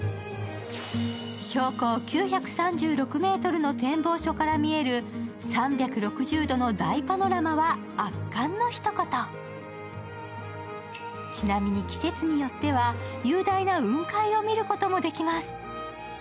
標高９３６ｍの展望所から見える３６０度の大パノラマは圧巻のひと言ちなみに季節によっては雄大な雲海を見ることもできます。